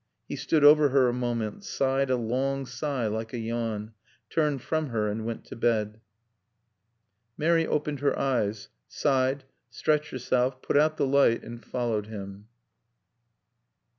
He stood over her a moment, sighed a long sigh like a yawn, turned from her and went to bed. Mary opened her eyes, sighed, stretched herself, put out the light, and followed him.